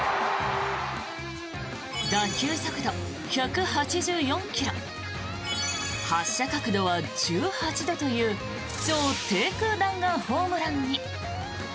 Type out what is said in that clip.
打球速度１８４ｋｍ発射角度は１８度という超低空弾丸ホームランに。